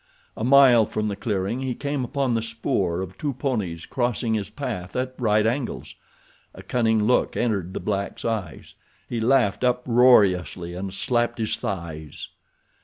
A mile from the clearing he came upon the spoor of two ponies crossing his path at right angles. A cunning look entered the black's eyes. He laughed uproariously and slapped his thighs.